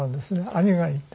兄がいて。